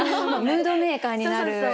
ムードメーカーになる子が。